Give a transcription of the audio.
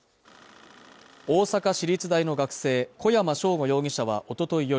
大阪市立大の学生小山尚吾容疑者はおととい夜